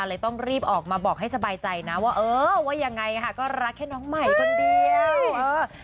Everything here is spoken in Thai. เลยต้องรีบออกมาบอกให้สบายใจนะว่าเออว่ายังไงค่ะก็รักแค่น้องใหม่คนเดียว